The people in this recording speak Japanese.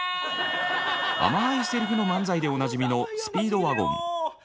あまいセリフの漫才でおなじみのスピードワゴン。